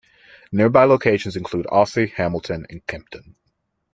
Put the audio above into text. Nearby locations include Ouse, Hamilton and Kempton.